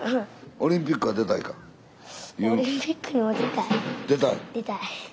オリンピックに出たい。